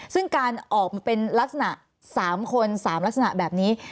ซึ่งการออกมาเป็นลักษณะ๓คน๓ลักษณะแบบนี้